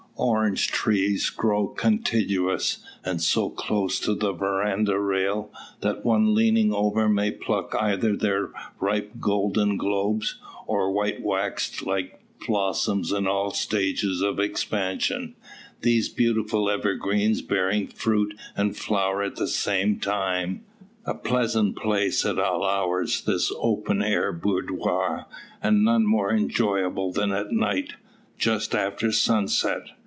Orange trees grow contiguous, and so close to the verandah rail, that one leaning over may pluck either their ripe golden globes, or white wax like blossoms in all stages of expansion; these beautiful evergreens bearing fruit and flower at the same time. A pleasant place at all hours this open air boudoir; and none more enjoyable than at night, just after sunset.